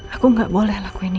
aku gak boleh lakuin ini